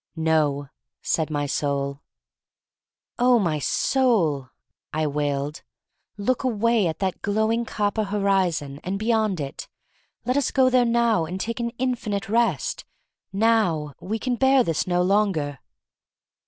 "No," said my soul. "Oh, my soul," I wailed, "look away at that glowing copper horizon — and beyond it. Let us go there now and take an infinite rest. Now! We can bear this no longer."